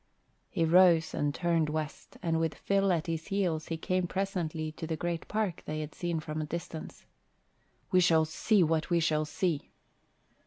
He rose and turned west and with Phil at his heels he came presently to the great park they had seen from a distance. "We shall see what we shall see."